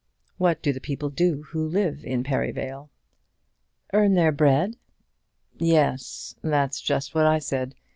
What do the people do who live in Perivale?" "Earn their bread." "Yes; that's just what I said.